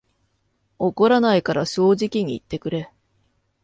怒らないから正直に言ってくれ